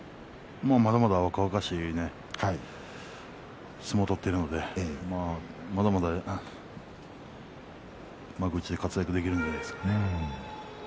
まだまだ若々しい相撲を取っているのでまだまだ幕内で活躍できるんじゃないですかね。